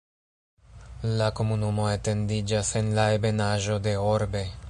La komunumo etendiĝas en la ebenaĵo de Orbe.